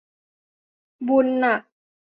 บุญหนัก